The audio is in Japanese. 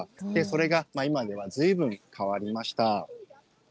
それが今ではずいぶん変わりました。